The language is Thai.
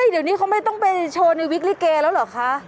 เดี๋ยวนี้เขาไม่ต้องไปโชว์ในวิกลิเกแล้วเหรอคะ